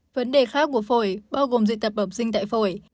vấn đề khác của phổi bao gồm dị tập bẩm sinh tại phổi